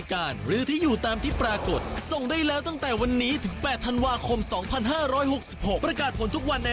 อยากรู้ใช่ไหมว่ากติกาเป็นยังไง